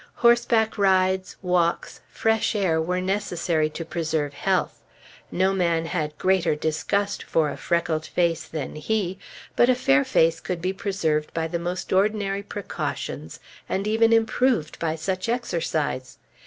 Horseback rides, walks, fresh air were necessary to preserve health. No man had greater disgust for a freckled face than he; but a fair face could be preserved by the most ordinary precautions and even improved by such exercise.